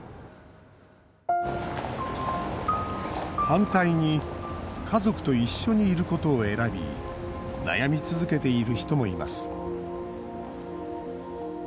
反対に家族と一緒にいることを選び悩み続けている人もいます